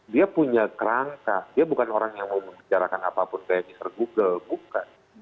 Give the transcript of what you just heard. dia punya kerangka dia bukan orang yang mau membicarakan apapun kayak mr google bukan